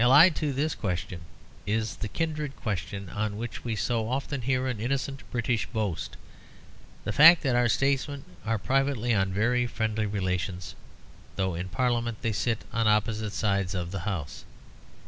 Allied to this question is the kindred question on which we so often hear an innocent British boast the fact that our statesmen are privately on very friendly relations, although in Parliament they sit on opposite sides of the House.